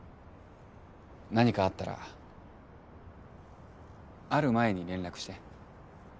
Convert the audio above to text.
何かあったらある前に連絡して。